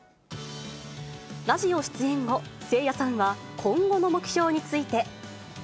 ラジオ出演後、せいやさんは今後の目標について。